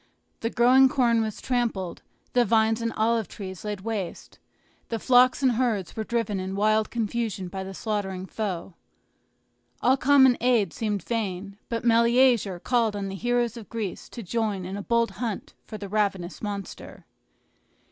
The growing corn was trampled, the vines and olive trees laid waste, the flocks and herds were driven in wild confusion by the slaughtering foe. All common aid seemed vain; but Meleager called on the heroes of Greece to join in a bold hunt for the ravenous monster.